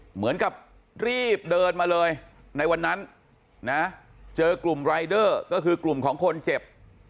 เหมือนกับรีบเดินมาเลยในวันนั้นนะเจอกลุ่มรายเดอร์ก็คือกลุ่มของคนเจ็บ